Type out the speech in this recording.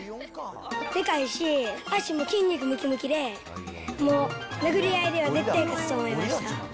でかいし、足も筋肉むきむきで、もう、殴り合いでは絶対勝つと思いました。